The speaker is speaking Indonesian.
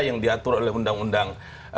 yang diatur oleh undang undang